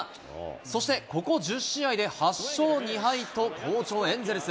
そしてここ１０試合で８勝２敗と好調エンゼルス。